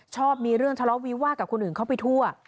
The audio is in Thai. ชอบมีเรื่องทะเลาะวิวาสกับคนอื่นเข้าไปทั่ว